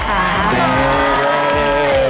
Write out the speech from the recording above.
เฮ้ยเฮ้ยเฮ้ยเฮ้ย